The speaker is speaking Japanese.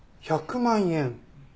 １００万円？